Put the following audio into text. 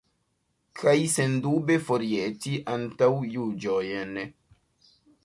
Kaj sendube forjeti antaŭjuĝojn.